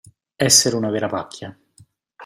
Essere una vera pacchia.